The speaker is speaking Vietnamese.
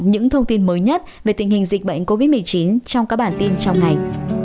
những thông tin mới nhất về tình hình dịch bệnh covid một mươi chín trong các bản tin trong ngày